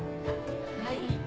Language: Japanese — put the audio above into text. はい。